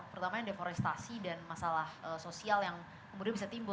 pertama yang deforestasi dan masalah sosial yang kemudian bisa timbul